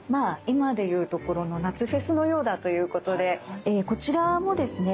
今でいうところの夏フェスのようだということでこちらもですね